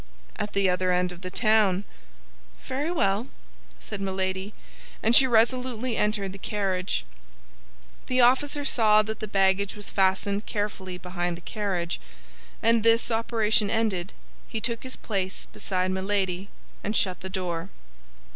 "At the other end of the town." "Very well," said Milady; and she resolutely entered the carriage. The officer saw that the baggage was fastened carefully behind the carriage; and this operation ended, he took his place beside Milady, and shut the door.